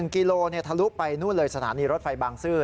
กิโลทะลุไปนู่นเลยสถานีรถไฟบางซื่อ